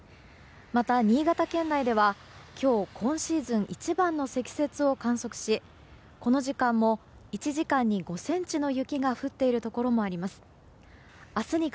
また、新潟県内では今日今シーズン一番の積雪を観測しこの時間も１時間に５ｃｍの雪が降っているところもあります。